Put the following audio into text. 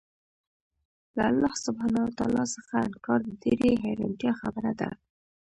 له الله سبحانه وتعالی څخه انكار د ډېري حيرانتيا خبره ده